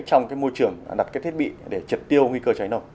trong môi trường đặt thiết bị để triệt tiêu nguy cơ cháy nổ